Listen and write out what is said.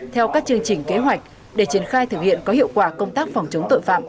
theo các chương trình kế hoạch để triển khai thực hiện có hiệu quả công tác phòng chống tội phạm